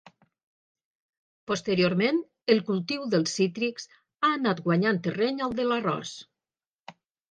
Posteriorment el cultiu dels cítrics ha anat guanyant terreny al de l'arròs.